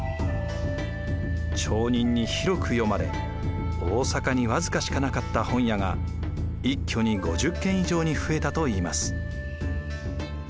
町人に広く読まれ大坂に僅かしかなかった本屋が一挙に５０軒以上に増えたといいます。